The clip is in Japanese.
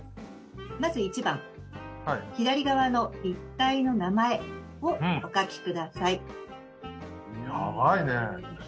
まず１番左側の立体の名前をお書きください。